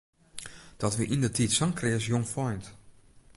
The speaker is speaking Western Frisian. Dat wie yndertiid sa'n kreas jongfeint.